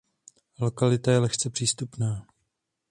Lokalita je lehce přístupná.